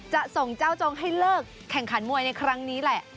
จะส่งเจ้าจงให้เลิกแข่งขันมวยในครั้งนี้แหละ